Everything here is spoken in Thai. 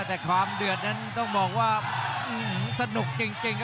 อื้อหือแลกกันสนุกเก่ง